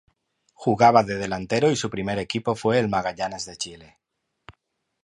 Jugaba de delantero y su primer equipo fue el Magallanes de Chile.